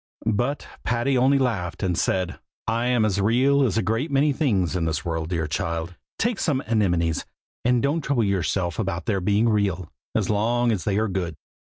But Patty only laughed and said, "I am as real as a great many things in this world, dear child! Take some anemones, and don't trouble yourself about their being real, as long as they are good."